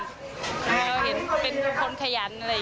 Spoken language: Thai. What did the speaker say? เราเห็นเป็นคนขยันอะไรอย่างนี้